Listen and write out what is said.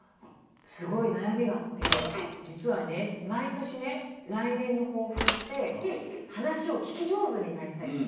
すごい悩みがあって実はね毎年ね来年の抱負として「話を聞き上手になりたい」。